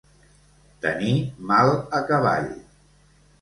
Tenir mal acaball.